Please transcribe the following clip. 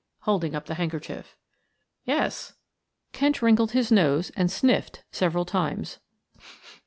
holding up the handkerchief. "Yes." Kent wrinkled his nose and sniffed several times.